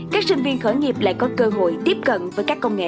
các sinh viên khởi nghiệp lại có cơ hội tiếp cận với các công nghệ